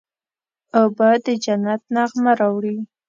اوبه د جنت نغمه راوړي.